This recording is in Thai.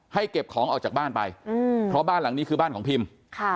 เก็บของออกจากบ้านไปอืมเพราะบ้านหลังนี้คือบ้านของพิมค่ะ